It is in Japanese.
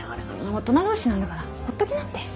大人同士なんだからほっときなって。